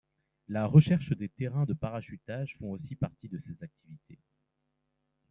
La recherche des terrains de parachutage fait aussi partie de ses activités.